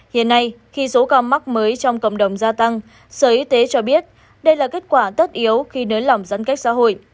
hiện nay khi số ca mắc mới trong cộng đồng gia tăng sở y tế cho biết đây là kết quả tất yếu khi nới lỏng giãn cách xã hội